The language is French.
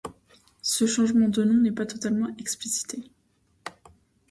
Ce changement de nom n'est pas totalement explicité.